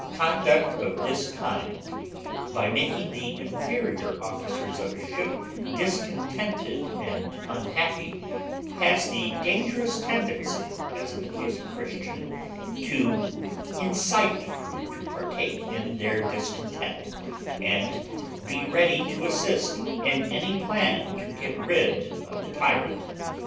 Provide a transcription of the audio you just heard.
Conduct of this kind, by making the inferior officers of a ship discontented and unhappy, has the dangerous tendency, as in the case of Christian, to incite the crew to partake in their discontent, and be ready to assist in any plan to get rid of the tyrant.